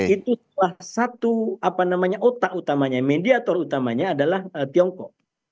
itu salah satu otak utamanya mediator utamanya adalah tiongkok